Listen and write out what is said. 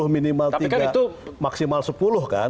maksimal sepuluh kan